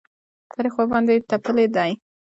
تاریخ ورباندې تپلی دی.